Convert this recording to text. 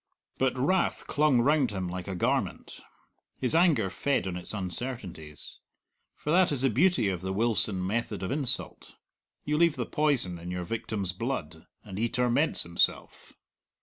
But wrath clung round him like a garment. His anger fed on its uncertainties. For that is the beauty of the Wilson method of insult: you leave the poison in your victim's blood, and he torments himself.